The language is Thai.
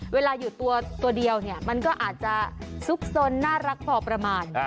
เวลาอยู่ตัวเดียวเนี่ยมันก็อาจจะซุกซนน่ารักพอประมาณ